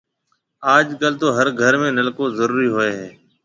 اج ڪل تو هر گهر ۾ نلڪو زرورِي هوئي هيَ۔